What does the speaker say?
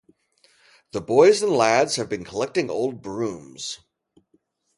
The boys and lads have been collecting old brooms.